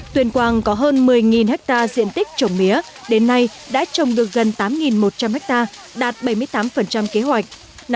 tuyên quang có hơn một mươi ha diện tích trồng mía đến nay đã trồng được gần tám một trăm linh ha đạt bảy mươi tám kế hoạch